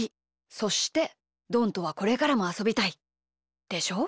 そしてどんとはこれからもあそびたいでしょ？